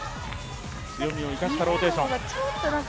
強みを生かしたローテーション。